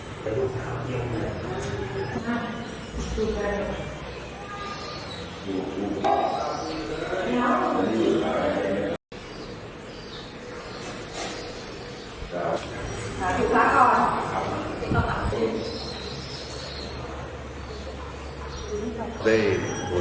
นิ่งเต้นกายเทมกุญแจไสให้เฉพาะ